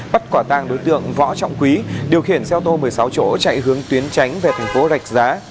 bắt quả tàng đối tượng võ trọng quý điều khiển xe ô tô một mươi sáu chỗ chạy hướng tuyến tránh về tp rạch giá